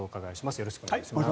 よろしくお願いします。